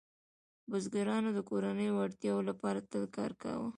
بزګرانو د کورنیو اړتیاوو لپاره تل کار کاوه.